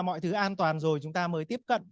mọi thứ an toàn rồi chúng ta mới tiếp cận